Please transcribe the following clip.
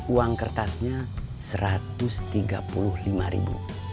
uang kertasnya rp satu ratus tiga puluh lima ribu